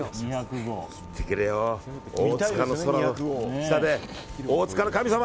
大塚の空の下で、大塚の神様！